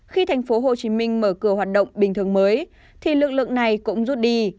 khi tp hcm mở cửa hoạt động bình thường mới thì lực lượng này cũng rút đi